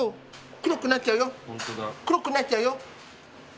黒くなっちゃうよ。